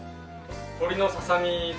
鶏のささみです。